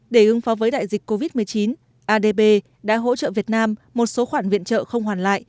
để ứng phó với đại dịch covid một mươi chín adb đã hỗ trợ việt nam một số khoản viện trợ không hoàn lại